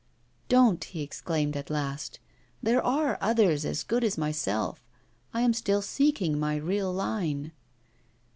'Don't,' he exclaimed at last; 'there are others as good as myself. I am still seeking my real line.